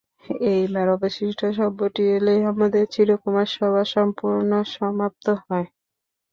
এইবার অবশিষ্ট সভ্যটি এলেই আমাদের চিরকুমার-সভা সম্পূর্ণ সমাপ্ত হয়!